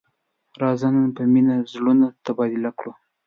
راځه نن په مینه زړونه تبادله کړو.